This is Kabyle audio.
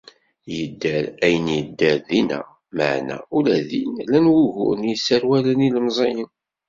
Yedder ayen yedder dinna, meɛna ula din, llan wuguren i yesserwalen ilemẓiyen.